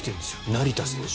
成田選手。